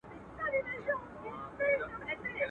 چي مي نه ګرځي سرتوري په کوڅو کي د پردیو.